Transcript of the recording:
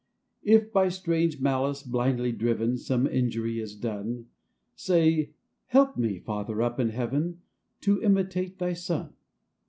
If by strange malice blindly driven, Some injury is done, Say, " Help me, Father up in Heaven ! To imitate Thy Son."